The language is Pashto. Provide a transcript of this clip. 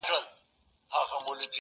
گرانه شاعره صدقه دي سمه!